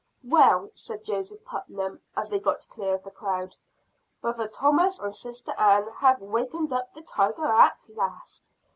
"Well," said Joseph Putnam, as they got clear of the crowd, "brother Thomas and sister Ann have wakened up the tiger at last.